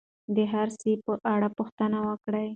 د هر سي په اړه پوښتنه وکړئ.